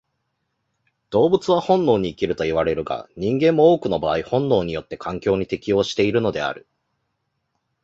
動物は本能に生きるといわれるが、人間も多くの場合本能によって環境に適応しているのである。